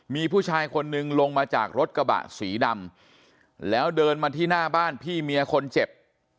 มีผู้ชายคนนึงลงมาจากรถกระบะสีดำแล้วเดินมาที่หน้าบ้านพี่เมียคนเจ็บ